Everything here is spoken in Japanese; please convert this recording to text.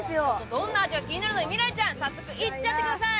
どんな味か気になるので未来ちゃん早速いっちゃってください。